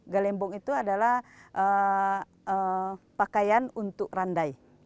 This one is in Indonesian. galembong itu adalah pakaian untuk randai